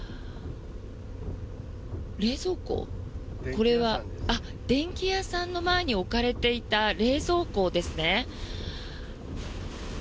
これは電気屋さんの前に置かれていた冷蔵庫ですね。